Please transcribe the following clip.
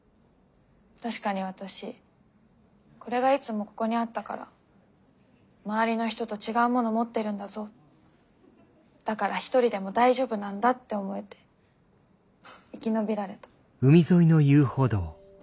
確かに私これがいつもここにあったから周りの人と違うもの持ってるんだぞだから一人でも大丈夫なんだって思えて生き延びられた。